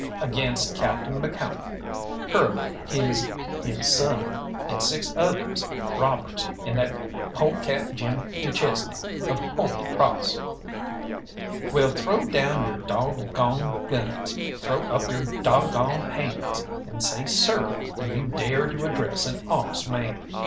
"Against Captain McCalmont, Curly his his son, and six others, robbers, and that polecat Jim du Chesnay, of Holy Crawss." "Wall, throw down your dog goned guns, throw up your dog goned hands, and say 'Sir' when you dare to address an honest man.